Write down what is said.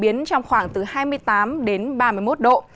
nhiệt độ trong ngày phổ biến trong khoảng từ hai mươi tám đến ba mươi một độ